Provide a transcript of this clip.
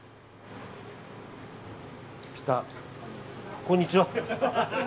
ぴた、こんにちは。